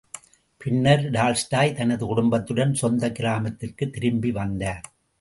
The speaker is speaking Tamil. பின்னர், டால்ஸ்டாய் தனது குடும்பத்துடன் சொந்தக் கிராமத்திற்குத் திரும்பி வந்தார்.